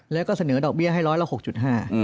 แล้วก็เสนอดอกเบี้ยให้ร้อยละ๖๕